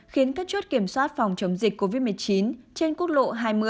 khiến các chốt kiểm soát phòng chống dịch covid một mươi chín trên quốc lộ hai mươi